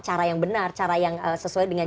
cara yang benar cara yang sesuai dengan